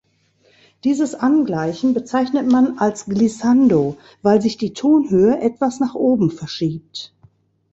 Dieses Angleichen bezeichnet man als Glissando, weil sich die Tonhöhe etwas nach oben verschiebt.